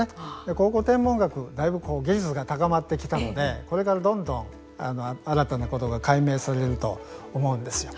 考古天文学だいぶ技術が高まってきたのでこれからどんどん、新たなことが解明されると思うんですよ。